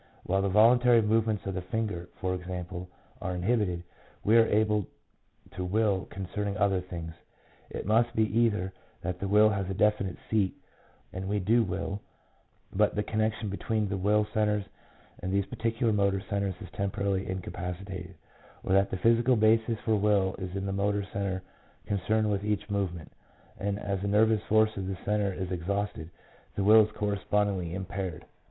While the volun tary movements of the finger, for example, are inhibited, we are able to will concerning other things. It must be either that the will has a definite seat, and we do will, but the connection between the will centres and these particular motor centres is tem porarily incapacitated ; or that the physical basis for will is in the motor centre concerned with each move ment, and as the nervous force of the centre is ex hausted, the will is correspondingly impaired.